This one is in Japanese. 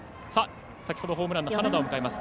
先ほどホームランの花田を迎えます。